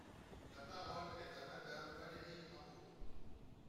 La parole est à Madame Valérie Rabault.